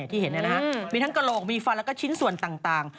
ที่เห็นมีทั้งกระโหลกมีฟันแล้วก็ชิ้นส่วนต่าง